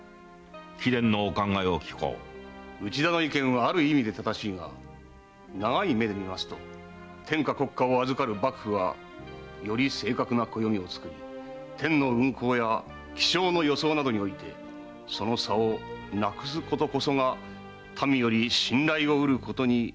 内田の意見はある意味で正しいが長い目で見ますと天下国家を預かる幕府はより正確な暦を作り天の運行や気象の予想などでその差をなくすことこそが民より信頼を得ることになると存じます。